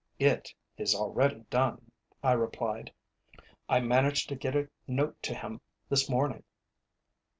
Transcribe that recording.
"It is already done," I replied. "I managed to get a note to him this morning."